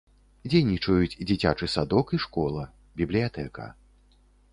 Дзейнічаюць дзіцячы садок і школа, бібліятэка.